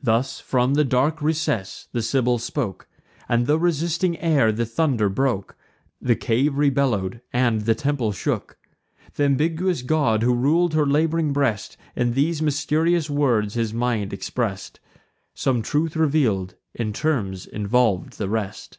Thus, from the dark recess, the Sibyl spoke, And the resisting air the thunder broke; The cave rebellow'd, and the temple shook. Th' ambiguous god, who rul'd her lab'ring breast, In these mysterious words his mind express'd; Some truths reveal'd, in terms involv'd the rest.